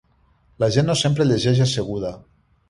La gent no sempre llegeix asseguda.